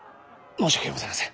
申し訳ございません。